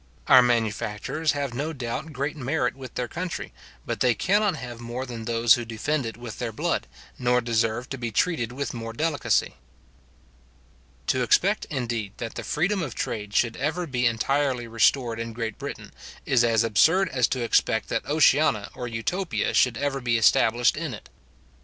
Our manufacturers have no doubt great merit with their country, but they cannot have more than those who defend it with their blood, nor deserve to be treated with more delicacy. To expect, indeed, that the freedom of trade should ever be entirely restored in Great Britain, is as absurd as to expect that an Oceana or Utopia should ever be established in it.